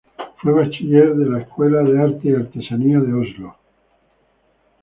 Fue bachiller de la Escuela de Arte y Artesanías de Oslo.